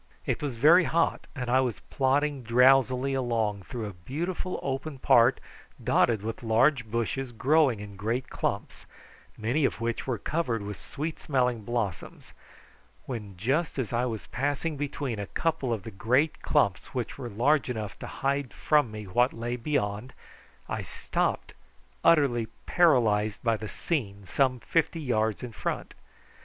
It was very hot, and I was plodding drowsily along through a beautiful open part dotted with large bushes growing in great clumps, many of which were covered with sweet smelling blossoms, when just as I was passing between a couple of the great clumps which were large enough to hide from me what lay beyond, I stopped utterly paralysed by the scene some fifty yards in front.